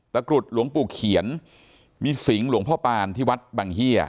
กรุดหลวงปู่เขียนมีสิงห์หลวงพ่อปานที่วัดบังเฮีย